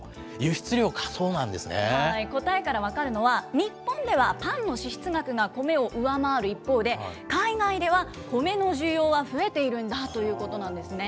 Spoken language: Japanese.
答えから分かるのは、日本ではパンの支出額がコメを上回る一方で、海外ではコメの需要は増えているんだということなんですね。